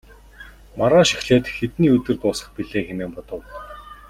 Маргааш эхлээд хэдний өдөр дуусах билээ хэмээн бодов.